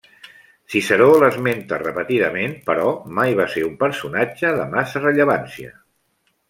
Ciceró l'esmenta repetidament però mai va ser un personatge de massa rellevància.